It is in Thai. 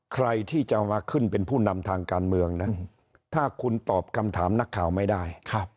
ใครที่จะมาขึ้นเป็นผู้นำทางการเมืองนะถ้าคุณตอบคำถามนักข่าวไม่ได้